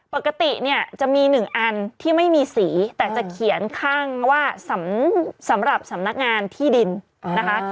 ปกติเนี่ยจะมีหนึ่งอันที่ไม่มีสีแต่จะเขียนข้างว่าสำหรับสำนักงานที่ดินนะคะ